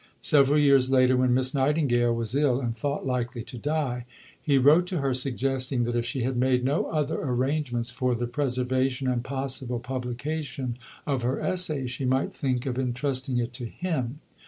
Several years later, when Miss Nightingale was ill, and thought likely to die, he wrote to her suggesting that if she had made no other arrangements for the preservation and possible publication of her essay, she might think of entrusting it to him.